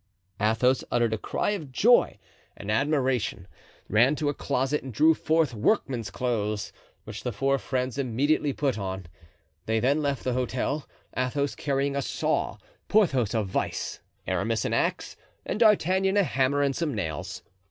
Athos uttered a cry of joy and admiration, ran to a closet and drew forth workmen's clothes, which the four friends immediately put on; they then left the hotel, Athos carrying a saw, Porthos a vise, Aramis an axe and D'Artagnan a hammer and some nails.